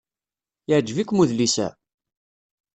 Yeɛjeb-ikem udlis-a?